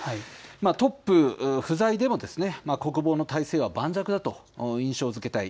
トップ不在でも国防の体制は盤石だと印象づけたい。